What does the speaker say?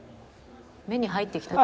目に入ってきた。